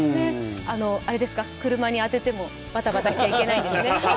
車に当ててもバタバタしちゃいけないんですね。